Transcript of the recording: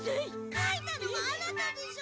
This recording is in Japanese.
描いたのはあなたでしょ！